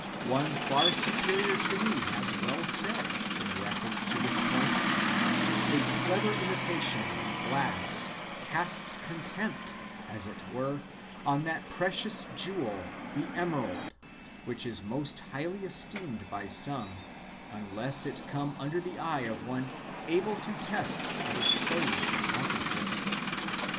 One^ far superior to me has well said, in reference to this point, " A clever imitation in glass casts contempt, as it were, on that precious jewel the emerald (which is most highly esteemed by some), unless it come under the eye of one able to test and expose the counterfeit.